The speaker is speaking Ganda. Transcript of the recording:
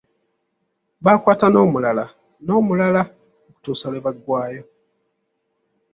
Baakwata n'omulala n'omulala okutuusa lwe baggwaayo.